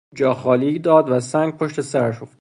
او جا خالی داد و سنگ پشت سرش افتاد.